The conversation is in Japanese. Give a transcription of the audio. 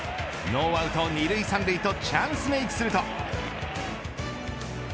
ノーアウト２塁３塁とチャンスメークすると。